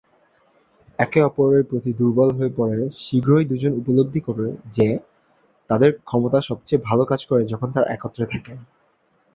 একে-অপরের প্রতি দুর্বল হয়ে পড়ে শীঘ্রই দু'জনে উপলব্ধি করে যে তাদের ক্ষমতা সবচেয়ে ভালো কাজ করে যখন তারা একত্রে থাকে।